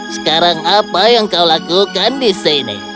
sekarang apa yang kau lakukan di sini